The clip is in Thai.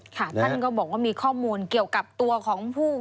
ท่านก็บอกว่ามีข้อมูลเกี่ยวกับตัวของผู้